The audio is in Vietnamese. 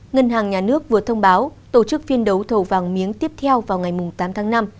ngân hàng nhà nước vừa thông báo tổ chức phiên đấu thầu vàng miếng tiếp theo vào ngày tám tháng năm